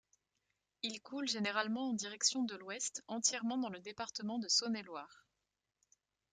Il coule généralement en direction de l'ouest, entièrement dans le département de Saône-et-Loire.